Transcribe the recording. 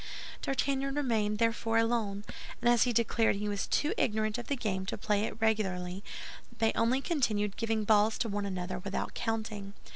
D'Artagnan remained, therefore, alone; and as he declared he was too ignorant of the game to play it regularly they only continued giving balls to one another without counting.